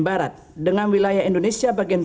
barat dengan wilayah indonesia bagian